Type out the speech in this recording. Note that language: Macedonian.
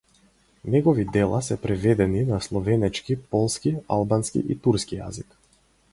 Негови дела се преведени на словенечки, полски, албански и турски јазик.